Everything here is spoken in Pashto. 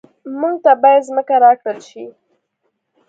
موږ ته باید ځمکه راکړل شي